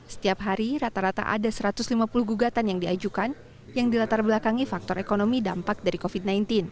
setiap hari rata rata ada satu ratus lima puluh gugatan yang diajukan yang dilatar belakangi faktor ekonomi dampak dari covid sembilan belas